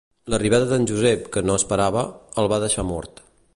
L'arribada d'en Josep, que no esperava, el va deixar mort.